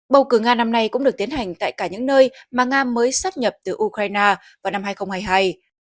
bầu cử nga năm nay cũng được tiến hành tại cả những nơi mà nga mới sát nhập từ ukraine vào năm hai nghìn hai mươi hai